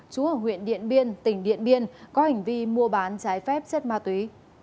chú ở huyện điện biên tỉnh điện biên có hành vi mua bán trái phép chất ma túy